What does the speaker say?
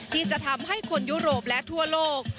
ที่จะทำให้คนยุโรปและทั่วโลก